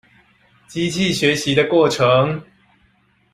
機器學習的過程